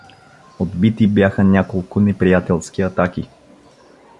Отбити бяха няколко неприятелски атаки.